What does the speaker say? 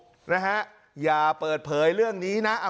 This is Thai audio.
นะฮะอย่าเปิดเผยเรื่องนี้นะ